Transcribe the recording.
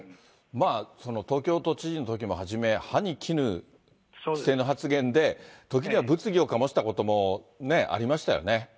東京都知事のときもはじめ、歯にきぬ着せぬ発言で、時には物議を醸したこともありましたよね。